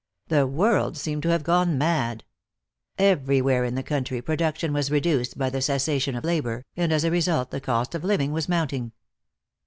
The world seemed to have gone mad. Everywhere in the country production was reduced by the cessation of labor, and as a result the cost of living was mounting.